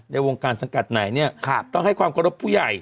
ในวงการสังกัดไหนเนี่ยต้องให้ความเคารพผู้ใหญ่